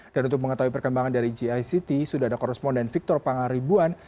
dan untuk mengetahui perkembangan dari gict sudah ada korresponden victor pangaribuan